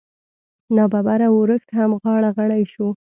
نا ببره ورښت هم غاړه غړۍ شو.